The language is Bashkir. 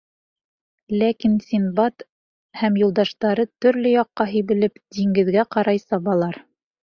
Ләкин Синдбад һәм юлдаштары, төрлө яҡҡа һибелеп, диңгеҙгә ҡарай сабалар.